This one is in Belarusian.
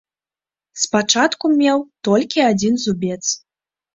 Спачатку меў толькі адзін зубец.